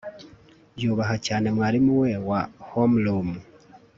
Yubaha cyane mwarimu we wa homeroom